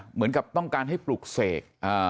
เหมือนกับต้องการให้ปลุกเสก